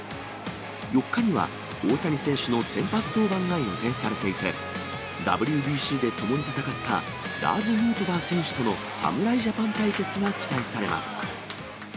４日には大谷選手の先発登板が予定されていて、ＷＢＣで共に戦ったラーズ・ヌートバー選手との侍ジャパン対決が期待されます。